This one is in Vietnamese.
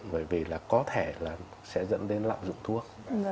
bởi vì là có thể là sẽ dẫn đến lạm dụng thuốc